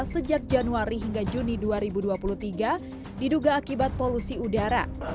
sejak januari hingga juni dua ribu dua puluh tiga diduga akibat polusi udara